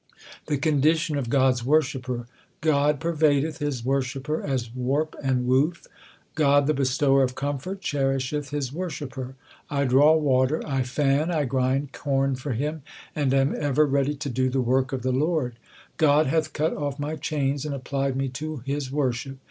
The condition of God s worshipper : God pervadeth His worshipper as warp and woof ; God, the Bestower of comfort, cherisheth His worshipper. I 2 n6 THE SIKH RELIGION I draw water, I fan, I grind corn for him, and am ever ready to do the work of the Lord. God hath cut off my chains and applied me to His worship.